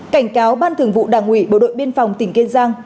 cảnh cáo ban thường vụ đảng ủy bộ đội biên phòng tỉnh kiên giang